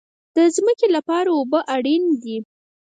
د ځمکې لپاره اوبه اړین دي